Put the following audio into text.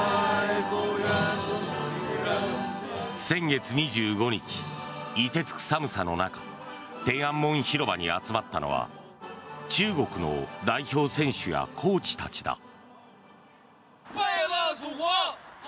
先月２５日、凍てつく寒さの中天安門広場に集まったのは中国の代表選手やコーチたちだ。